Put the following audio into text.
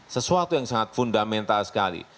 sesuatu yang sangat fundamental sekali